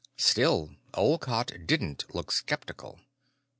Still, Olcott didn't look skeptical.